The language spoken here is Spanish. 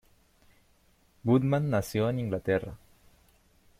Woodman nació en Inglaterra.